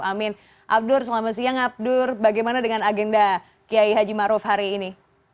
amin abdur selamat siang abdur bagaimana dengan agenda kiai haji maruf hari ini